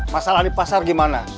masalah di pasar gimana